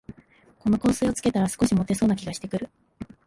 この香水をつけたら、少しもてそうな気がしてくる